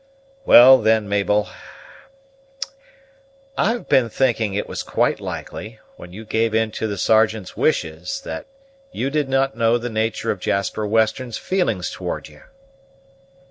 "Well then, Mabel, I've been thinking it was quite likely, when you gave in to the Sergeant's wishes, that you did not know the natur' of Jasper Western's feelings towards you?"